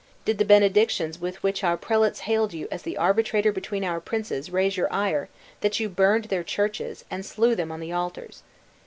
Did the benedictions with which our prelates hailed you as the arbitrator between our princes, raise your ire, that you burned their churches, and slew them on the altars?